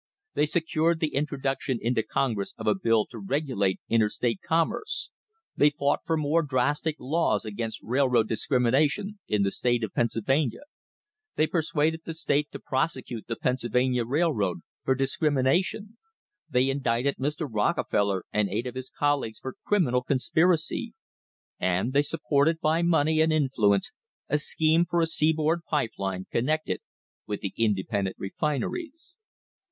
They secured the intro duction into Congress of a bill to regulate interstate com merce; they fought for more drastic laws against railroad discrimination in the state of Pennsylvania; they persuaded the state to prosecute the Pennsylvania Railroad for dis crimination; they indicted Mr. Rockefeller and eight of his colleagues for criminal conspiracy; and they supported by money and influence a scheme for a seaboard pipe line con nected with the independent refineries.